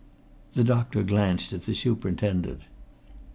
The doctor glanced at the superintendent.